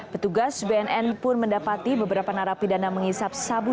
petugas bnn pun mendapati beberapa narapidana menghisap sabu